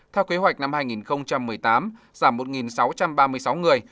theo kế hoạch năm hai nghìn một mươi tám giảm một sáu trăm ba mươi sáu người